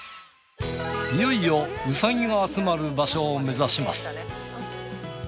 いよいよウサギが集まる場所を目指します。